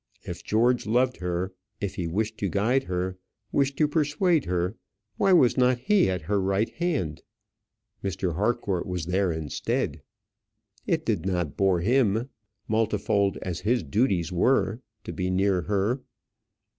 If George loved her, if he wished to guide her, wished to persuade her, why was not he at her right hand? Mr. Harcourt was there instead. It did not bore him, multifold as his duties were, to be near her.